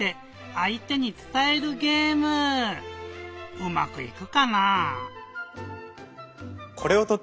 うまくいくかなぁ？